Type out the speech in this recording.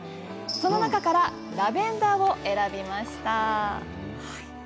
その中からラベンダーを選びました。